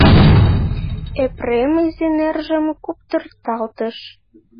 Епрем изи нержым куптырталтыш.